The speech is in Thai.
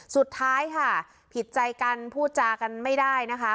สุดท้ายค่ะผิดใจกันพูดจากันไม่ได้นะคะ